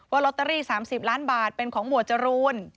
ลอตเตอรี่๓๐ล้านบาทเป็นของหมวดจรูน